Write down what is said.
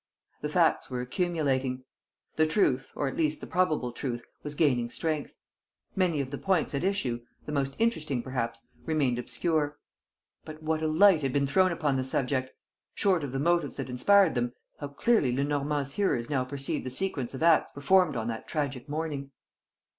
The facts were accumulating. The truth or, at least, the probable truth was gaining strength. Many of the points at issue, the most interesting, perhaps, remained obscure. But what a light had been thrown upon the subject! Short of the motives that inspired them, how clearly Lenormand's hearers now perceived the sequence of acts performed on that tragic morning!